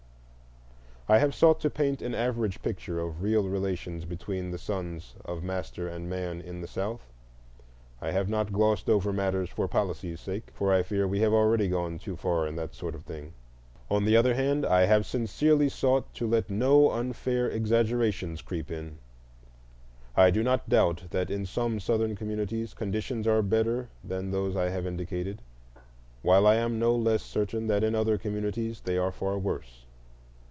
I have sought to paint an average picture of real relations between the sons of master and man in the South. I have not glossed over matters for policy's sake, for I fear we have already gone too far in that sort of thing. On the other hand, I have sincerely sought to let no unfair exaggerations creep in. I do not doubt that in some Southern communities conditions are better than those I have indicated; while I am no less certain that in other communities they are far worse.